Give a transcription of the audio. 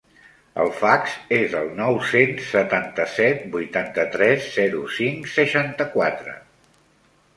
El fax és el nou-cents setanta-set vuitanta-tres zero cinc seixanta-quatre.